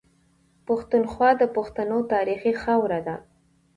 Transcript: پښتونخوا د پښتنو تاريخي خاوره ده.